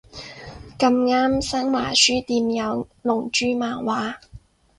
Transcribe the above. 咁啱新華書店有龍珠漫畫